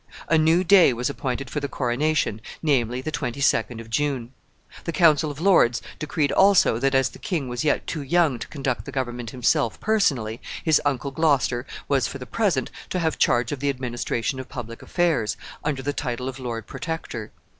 A new day was appointed for the coronation, namely, the 22d of June. The council of lords decreed also that, as the king was yet too young to conduct the government himself personally, his uncle Gloucester was, for the present, to have charge of the administration of public affairs, under the title of Lord Protector.